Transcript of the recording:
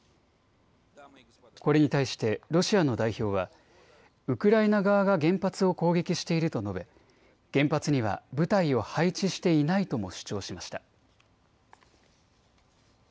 これに対してロシアの代表は、ウクライナ側が原発を攻撃していると述べ、原発には部隊を配置していないとも主張しました。